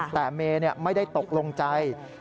แต่เมย์ไม่ได้ตกลงใจ